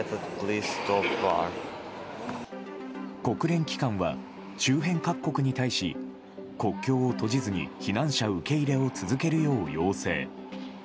国連機関は周辺各国に対し国境を閉じずに避難者受け入れを続けるよう要請。